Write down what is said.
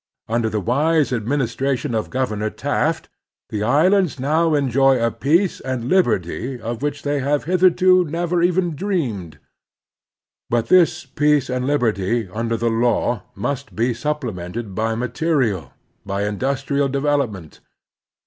Under the wise administration of Governor Taft the islands now enjoy a peace and liberty of which they have hitherto never even dreamed. But this peace and liberty imder the law must be supplemented by material, by industrial development.